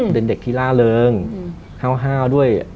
เป็นเด็กที่ล่าเริงห้าวด้วย